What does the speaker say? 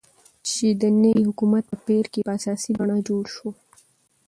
چې د نوي حكومت په پير كې په اساسي بڼه جوړ شو،